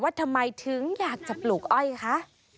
ทำไมถึงอยากจะปลูกอ้อยคะ